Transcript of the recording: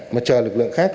mà chờ lực lượng khác